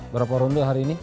berapa ronde hari ini